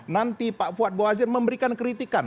nanti pak fuad bawazir memberikan kritikan